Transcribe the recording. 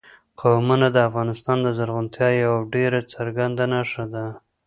قومونه د افغانستان د زرغونتیا یوه ډېره څرګنده نښه ده.